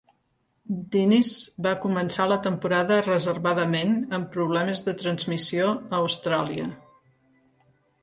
Diniz va començar la temporada reservadament amb problemes de transmissió a Austràlia.